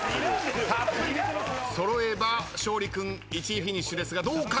揃えば勝利君１位フィニッシュですがどうか？